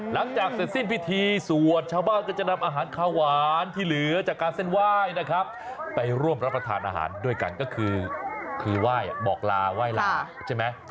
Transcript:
หลังจากเสร็จสิ้นพิธีสวดชาวบ้านก็จะนำอาหารข้าวหวานที่เหลือจากการเส้นไหว้นะครับไปร่วมรับประทานอาหารด้วยกันก็คือไหว้บอกลาไหว้ลาใช่ไหม